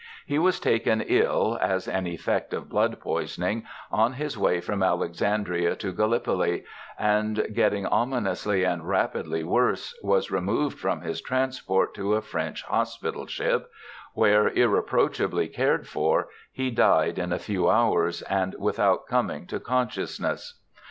He was taken ill, as an effect of blood poisoning, on his way from Alexandria to Gallipoli, and, getting ominously and rapidly worse, was removed from his transport to a French hospital ship, where, irreproachably cared for, he died in a few hours and without coming to consciousness.